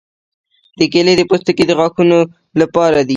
د کیلې پوستکي د غاښونو لپاره دي.